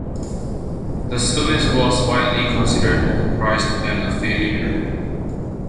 The service was widely considered overpriced and a failure.